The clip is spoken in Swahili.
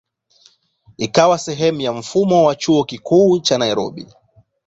Ikawa sehemu ya mfumo wa Chuo Kikuu cha Nairobi.